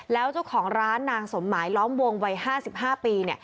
แล้วเจ้าของร้านนางสมหมายล้อมวงวัย๕๕ปี